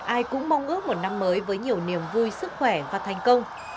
ai cũng mong ước một năm mới với nhiều niềm vui sức khỏe và thành công